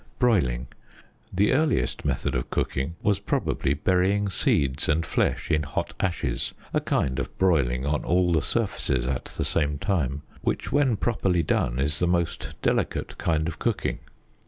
Broiling. ŌĆö The earliest method of cooking was probably burying seeds and flesh in hot ashes, a kind of broiling on all the surfaces at the same time, which when properly done is the most delicate kind of cooking.